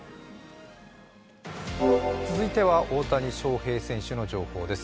続いては大谷翔平選手の情報です。